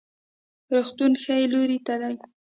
روغتون ښي لوري ته دی